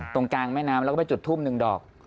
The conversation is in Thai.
ตรงกลางแม่น้ำแล้วก็ไปจุดทุ่มหนึ่งดอก